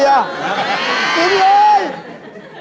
อาหารการกิน